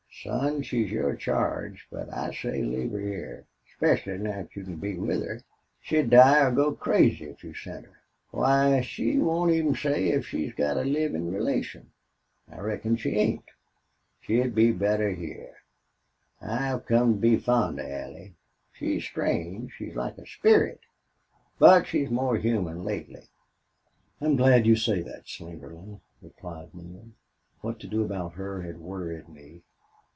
"Son, she's your charge, but I say leave her hyar, 'specially now you can be with us. She'd die or go crazy if you sent her. Why, she won't even say if she's got a livin' relation. I reckon she hain't. She'd be better hyar. I've come to be fond of Allie. She's strange. She's like a spirit. But she's more human lately." "I'm glad you say that, Slingerland," replied Neale. "What to do about her had worried me.